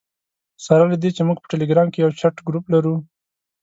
سره له دې چې موږ په ټلګرام کې یو چټ ګروپ لرو.